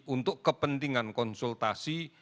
untuk kepentingan konsultasi